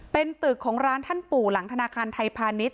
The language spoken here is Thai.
เป็นตึกของร้านท่านปู่หลังธนาคารไทยพาณิชย